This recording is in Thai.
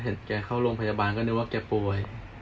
แกเข้าโรงพยาบาลก็นึกว่าแกป่วย